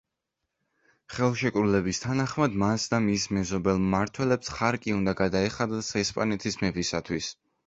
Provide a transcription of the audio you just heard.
ხელშეკრულების თანახმად მას და მის მეზობელ მმართველებს ხარკი უნდა გადაეხადათ ესპანეთის მეფისათვის.